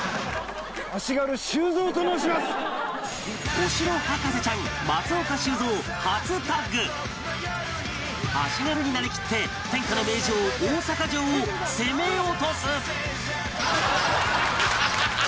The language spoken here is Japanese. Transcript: お城博士ちゃん足軽になりきって天下の名城大阪城を攻め落とす！